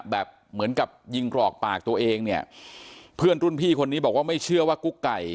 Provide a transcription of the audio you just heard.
เหมือนกับยิงกรอกปากตัวเองเนี่ยเพื่อนรุ่นพี่คนนี้บอกว่าไม่เชื่อว่ากุ๊กไก่